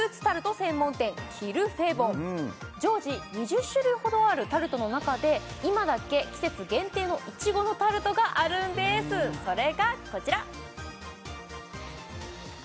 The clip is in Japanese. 専門店常時２０種類ほどあるタルトの中で今だけ季節限定のいちごのタルトがあるんですそれが